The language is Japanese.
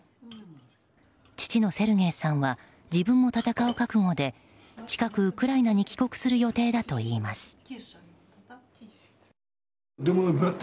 父のセルゲイさんは自分も戦う覚悟で近く、ウクライナに帰国する予定だといいます。